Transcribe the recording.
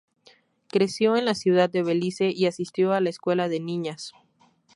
Creció en la ciudad de Belice y asistió a la escuela de niñas St.